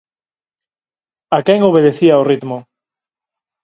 A quen obedecía o ritmo.